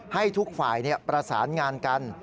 ให้ทุกฝ่ายประสานงานกัน